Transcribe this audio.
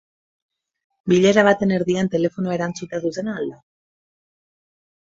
Bilera baten erdian telefonoa erantzutea zuzena al da?